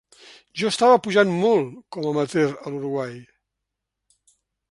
Jo estava pujant molt com amateur a l’Uruguai.